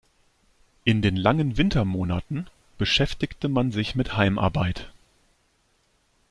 In den langen Wintermonaten beschäftigte man sich mit Heimarbeit.